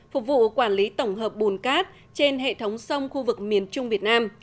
phục vụ quản lý tổng hợp bùn cát trên hệ thống sông khu vực miền trung việt nam